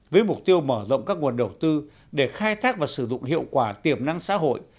với mục tiêu mở rộng các nguồn đầu tư để khai thác và sử dụng hiệu quả tiềm năng xã hội